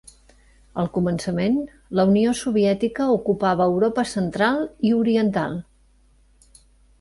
Al començament, la Unió Soviètica ocupava Europa Central i Oriental.